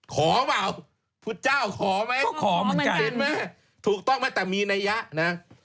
ขอมั้ยพุทธเจ้าขอมั้ยถูกต้องมั้ยแต่มีนัยยะนะ